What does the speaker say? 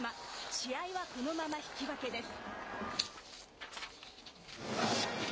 試合はこのまま引き分けです。